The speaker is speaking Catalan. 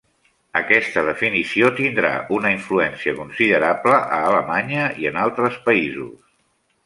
Aquesta definició tindrà una influència considerable a Alemanya i en altres països.